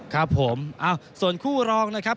ครับผมส่วนคู่รองนะครับ